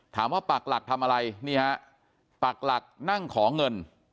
ปากหลักทำอะไรนี่ฮะปากหลักนั่งขอเงิน